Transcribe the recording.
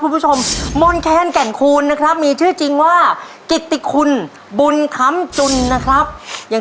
ไปเก็บที่ไหน